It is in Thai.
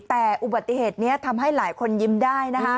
แต่อุบัติเหตุนี้ทำให้หลายคนยิ้มได้นะคะ